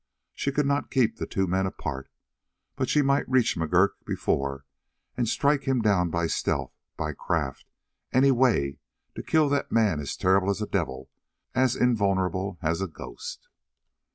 She could not keep the two men apart, but she might reach McGurk before and strike him down by stealth, by craft, any way to kill that man as terrible as a devil, as invulnerable as a ghost.